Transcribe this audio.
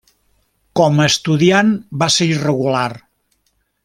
Com a estudiant va ser irregular.